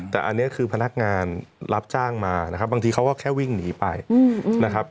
แต่อันนี้คือพนักงานรับจ้างมานะครับบางทีเขาก็แค่วิ่งหนีไปนะครับ